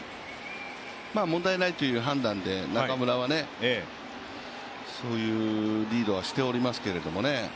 問題ないという判断で、中村はそういうリードはしておりますけどね。